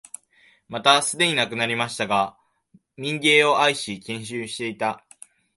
またすでに亡くなりましたが、民藝を愛し、研究していた、